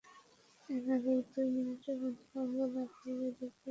এই নাটক দুই মিনিটের মধ্যে বন্ধ না হলে, দেখবেন আমি কি করি।